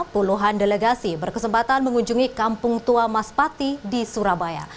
puluhan delegasi berkesempatan mengunjungi kampung tua mas pati di surabaya